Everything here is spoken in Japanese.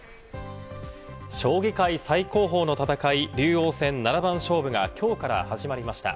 将棋界最高峰の戦い、竜王戦七番勝負がきょうから始まりました。